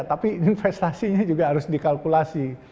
tapi investasinya juga harus dikalkulasi